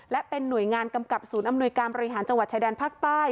และเป็นหน่วยงานกำกับศูนย์อำนวยการบริหารจังหวัดชายแดนภาคใต้